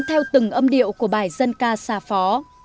theo từng âm điệu của bài dân ca xa phó